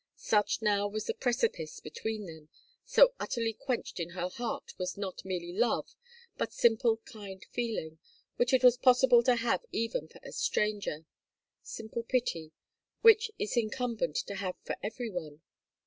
Such now was the precipice between them, so utterly quenched in her heart was not merely love, but simple kind feeling, which it was possible to have even for a stranger, simple pity, which it is incumbent to have for every one.